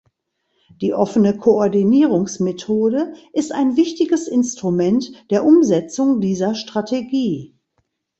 Die offene Koordinierungsmethode ist ein wichtiges Instrument der Umsetzung dieser Strategie.